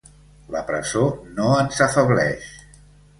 La presó no ens afebleix.